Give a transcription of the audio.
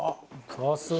さすが。